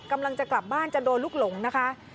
กำลังจะกลับบ้านจะโดนลูกหลงนะคะ